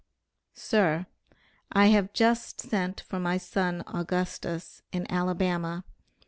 SIR: I have just sent for my son Augustus, in Alabama.